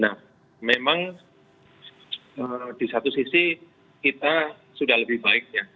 nah memang di satu sisi kita sudah lebih baik ya